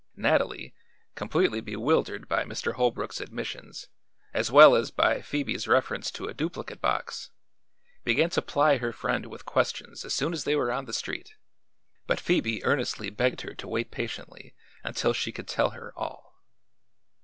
Nathalie, completely bewildered by Mr. Holbrook's admissions, as well as by Phoebe's reference to a duplicate box, began to ply her friend with questions as soon as they were on the street; but Phoebe earnestly begged her to wait patiently until she could tell her all.